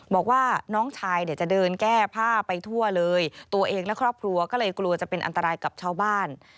บอกว่าน้องชายเนี่ยจะเดินแก้ผ้าไปทั่วเลยตัวเองและครอบครัวก็เลยกลัวจะเป็นอันตรายกับชาวบ้าน